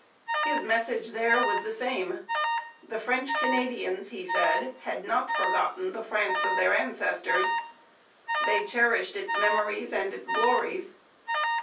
His message there was the same. The French Canadians, he said, had not forgotten the France of their ancestors: they cherished its memories and its glories.